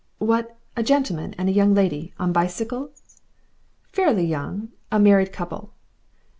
"What, a gentleman and a young lady on bicycles?" "Fairly young a married couple."